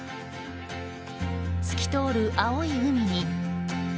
透き通る青い海に。